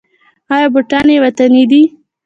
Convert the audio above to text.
آیا بوټان یې وطني دي؟